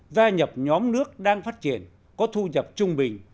gia nhập nhóm nước đang phát triển có thu nhập trung bình